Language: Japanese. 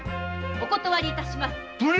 お断り致します！